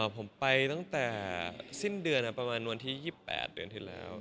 ผมไปตั้งแต่สิ้นเดือนประมาณวันที่๒๘เดือนที่แล้ว